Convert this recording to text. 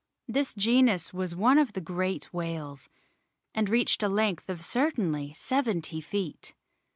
This genus was one of the great whales, and reached a length of certainly seventy feet.